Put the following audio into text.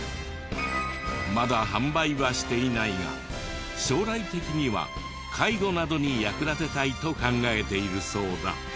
まだ販売はしていないが将来的には介護などに役立てたいと考えているそうだ。